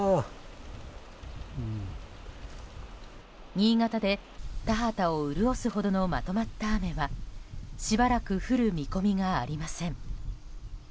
新潟で、田畑を潤すほどのまとまった雨はしばらく降る見込みがありません。